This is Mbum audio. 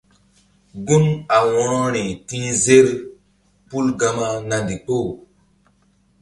Gun a wo̧rori ti̧h zer pul gama na ndikpoh.